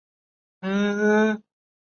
尔后进军青海。